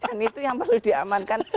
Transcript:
dan itu yang perlu diamankan